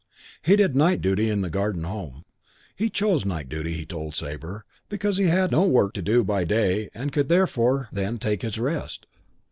He did night duty in the Garden Home. He chose night duty, he told Sabre, because he had no work to do by day and could therefore then take his rest.